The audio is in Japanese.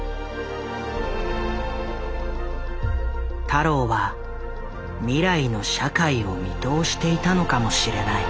太郎は未来の社会を見通していたのかもしれない。